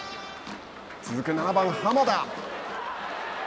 続く７番濱田。